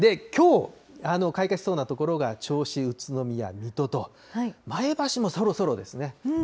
きょう、開花しそうな所が銚子、宇都宮、水戸と、前橋もそろそろですね。